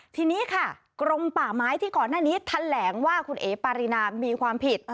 ทีนี้ค่ะกรมป่าไม้ที่ก่อนหน้านี้แถลงว่าคุณเอ๋ปารีนามีความผิด